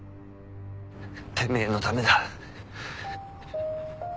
てめえのためだ。